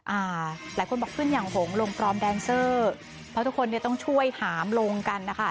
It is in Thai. อ่าหลายคนบอกขึ้นอย่างหงลงพร้อมแดนเซอร์เพราะทุกคนเนี่ยต้องช่วยหามลงกันนะคะ